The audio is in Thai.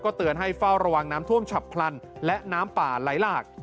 เตือนให้เฝ้าระวังน้ำท่วมฉับพลันและน้ำป่าไหลหลาก